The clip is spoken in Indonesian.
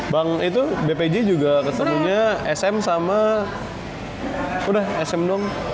bank itu bpj juga ketemunya sm sama udah sm dong